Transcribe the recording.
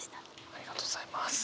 ありがとうございます。